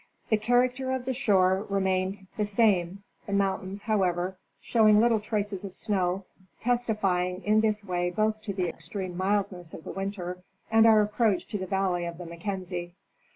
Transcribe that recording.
The character of the shore remained the same, the mountains, however, showing little traces of snow, tes tifying in this way both to the extreme mildness of the winter and our approach to the valley of the Mackenzie.